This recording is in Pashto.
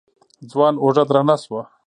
ځوان اوږه درنه شوه.